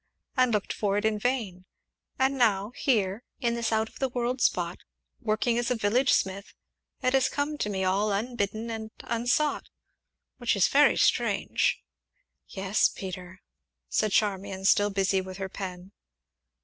and looked for it in vain; and now, here in this out of the world spot, working as a village smith, it has come to me all unbidden and unsought which is very strange!" "Yes, Peter," said Charmian, still busy with her pen.